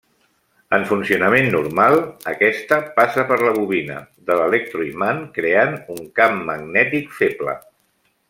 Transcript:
En funcionament normal, aquesta passa per la bobina de l'electroimant creant un camp magnètic feble.